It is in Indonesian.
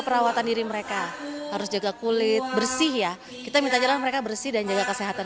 perawatan diri mereka harus jaga kulit bersih ya kita minta jalan mereka bersih dan jaga kesehatan